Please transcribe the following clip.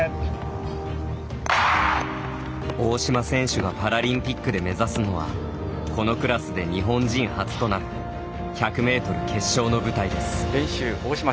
大島選手がパラリンピックで目指すのはこのクラスで日本人初となる１００ｍ決勝の舞台です。